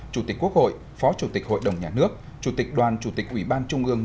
chủ tịch quốc hội phó chủ tịch hội đồng nhà nước chủ tịch đoàn chủ tịch ủy ban trung ương